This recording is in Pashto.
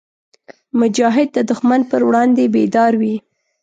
مجاهد د دښمن پر وړاندې بیدار وي.